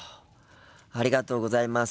ありがとうございます。